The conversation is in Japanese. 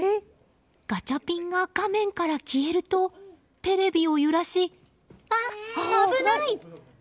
ガチャピンが画面から消えるとテレビを揺らし危ない！